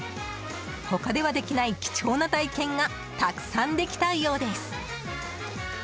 他ではできない貴重な体験がたくさんできたようです。